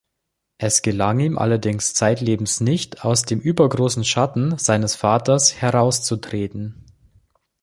Es gelang ihm allerdings zeitlebens nicht, aus dem übergroßen Schatten seines Vaters herauszutreten.